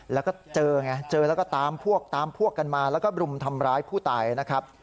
แล้วก็เจอแล้วก็ตามพวกกันมาแล้วก็รุมทำร้ายผู้ตายนะครับ